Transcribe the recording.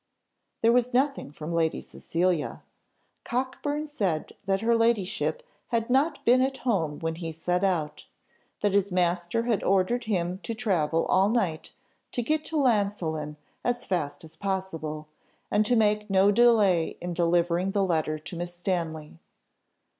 There was nothing from Lady Cecilia. Cockburn said that her ladyship had not been at home when he set out; that his master had ordered him to travel all night, to get to Llansillen as fast as possible, and to make no delay in delivering the letter to Miss Stanley.